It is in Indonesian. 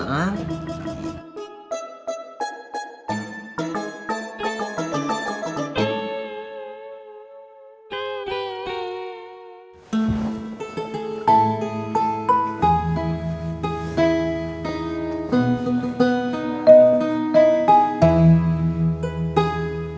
hingga ini berakhir